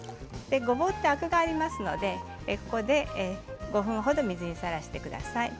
ごぼうはアクがありますのでここで５分ほど水にさらしてください。